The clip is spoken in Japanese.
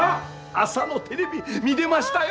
朝のテレビ見でましたよ！